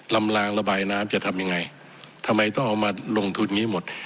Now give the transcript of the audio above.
ลางระบายน้ำจะทำยังไงทำไมต้องเอามาลงทุนนี้หมด